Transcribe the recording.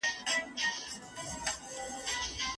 ستا په سترگو کې دي يو عالم خبرې